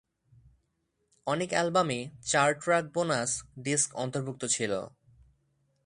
অনেক অ্যালবামে চার ট্র্যাক বোনাস ডিস্ক অন্তর্ভুক্ত ছিল।